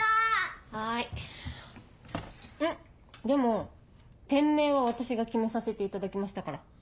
でも店名は私が決めさせていただきましたから。